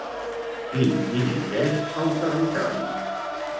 Qui dirigeix el territori?